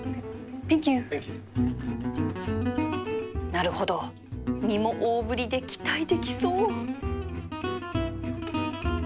なるほど身も大ぶりで期待できそう